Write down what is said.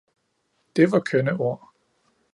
Det var kønne ord